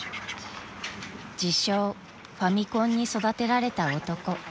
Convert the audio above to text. ［自称ファミコンに育てられた男］